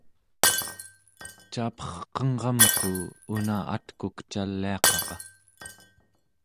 caperqengramku una atkuk caliaqaqa